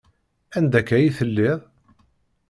Anda akka ay telliḍ?